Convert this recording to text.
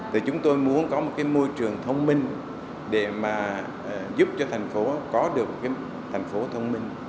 thì chúng tôi muốn có một cái môi trường thông minh để mà giúp cho thành phố có được cái thành phố thông minh